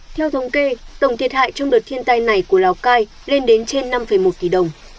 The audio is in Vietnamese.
theo thống kê tổng thiệt hại trong đợt thiên tai này của lào cai lên đến trên năm một tỷ đồng